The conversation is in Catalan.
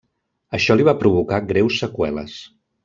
Això li va provocar greus seqüeles.